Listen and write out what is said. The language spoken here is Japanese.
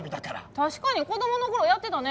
確かに子供の頃やってたね。